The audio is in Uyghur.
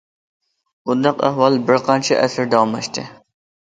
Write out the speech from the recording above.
بۇنداق ئەھۋال بىر قانچە ئەسىر داۋاملاشتى.